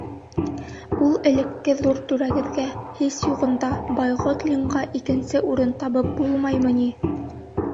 Ул элекке ҙур түрәгеҙгә, һис юғында Байғотлинға икенсе урын табып булмаймы ни?